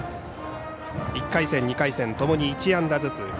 １回戦、２回戦ともに１安打ずつ。